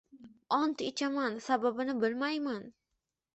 Ont ichaman, sababini bilmayman